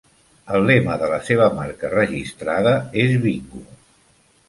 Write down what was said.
El lema de la seva marca registrada és Bingo!